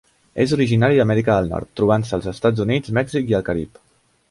És originari d'Amèrica del Nord, trobant-se als Estats Units, Mèxic i el Carib.